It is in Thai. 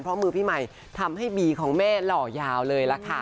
เพราะมือพี่ใหม่ทำให้บีของแม่หล่อยาวเลยล่ะค่ะ